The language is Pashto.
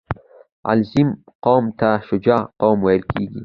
• علیزي قوم ته شجاع قوم ویل کېږي.